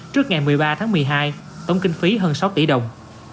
trước ngày một mươi ba tháng một mươi hai tổng kinh phí hơn sáu tỷ đồng